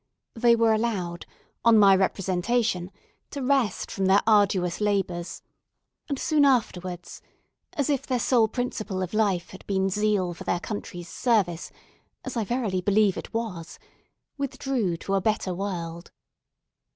They were allowed, on my representation, to rest from their arduous labours, and soon afterwards—as if their sole principle of life had been zeal for their country's service—as I verily believe it was—withdrew to a better world.